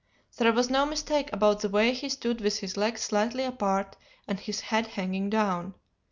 There was no mistake about the way he stood with his legs slightly apart and his head hanging down.